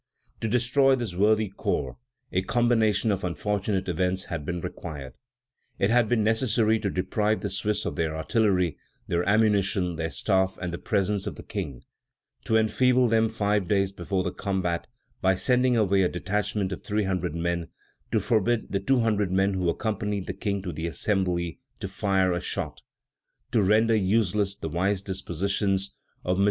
To destroy this worthy corps a combination of unfortunate events had been required; it had been necessary to deprive the Swiss of their artillery, their ammunition, their staff, and the presence of the King; to enfeeble them five days before the combat by sending away a detachment of three hundred men; to forbid the two hundred men who accompanied the King to the Assembly to fire a shot; to render useless the wise dispositions of MM.